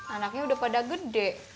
anaknya udah pada gede